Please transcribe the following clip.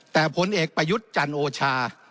แต่ผลเอกประยุทธ์จันโอชา